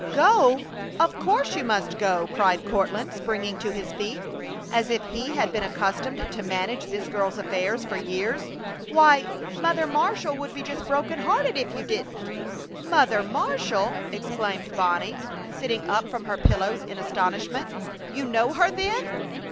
"Go? Of course you must go!" cried Courtland, springing to his feet, as if he had been accustomed to manage this girl's affairs for years. "Why, Mother Marshall would be just broken hearted if you didn't!" "Mother Marshall!" exclaimed Bonnie, sitting up from her pillows in astonishment. "You know her, then?"